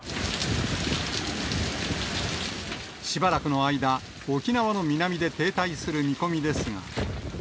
しばらくの間、沖縄の南で停滞する見込みですが。